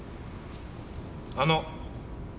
あの。